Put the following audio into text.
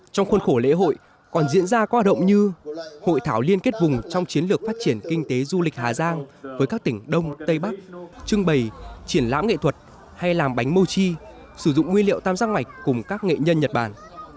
trong khuôn khổ lễ hội còn diễn ra các hoạt động như hội thảo liên kết vùng trong chiến lược phát triển kinh tế du lịch hà giang với các tỉnh đông tây bắc trưng bày triển lãm nghệ thuật hay làm bánh mochi sử dụng nguyên liệu tam giác mạch cùng các nghệ nhân nhật bản